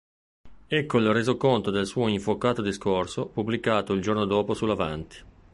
Ecco il resoconto del suo infuocato discorso, pubblicato il giorno dopo sull"'Avanti!